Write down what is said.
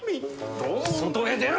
外へ出ろ！